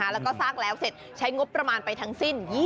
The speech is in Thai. แล้วก็สร้างแล้วเสร็จใช้งบประมาณไปทั้งสิ้น